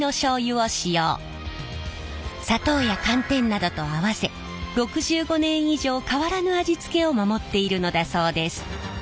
砂糖や寒天などと合わせ６５年以上変らぬ味付けを守っているのだそうです。